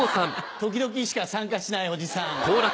時々しか参加しないおじさん。